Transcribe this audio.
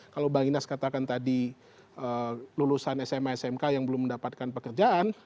kalau bang inas katakan tadi lulusan sma smk yang belum mendapatkan pekerjaan